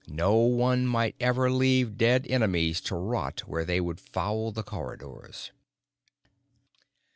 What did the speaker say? No one might ever leave dead enemies to rot where they would foul the corridors.